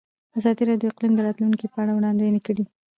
ازادي راډیو د اقلیم د راتلونکې په اړه وړاندوینې کړې.